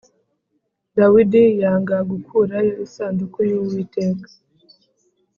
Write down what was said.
Dawidi yanga gukurayo isanduku y’Uwiteka